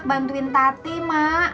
bantuin tati mak